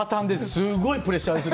すごいプレッシャーです。